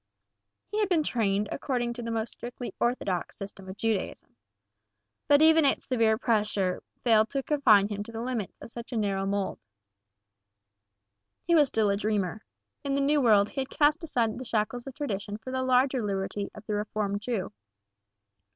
He had been trained according to the most strictly orthodox system of Judaism. But even its severe pressure had failed to confine him to the limits of such a narrow mold. He was still a dreamer. In the new world he had cast aside the shackles of tradition for the larger liberty of the Reformed Jew.